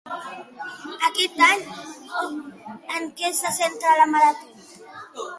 Aquest any, en què se centra La Marató?